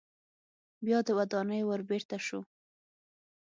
بیا د ودانۍ ور بیرته شو.